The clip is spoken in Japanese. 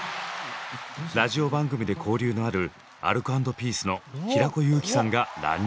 ラジオ番組で交流のあるアルコ＆ピースの平子祐希さんが乱入。